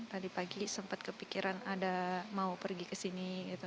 tadi pagi sempat kepikiran ada mau pergi ke sini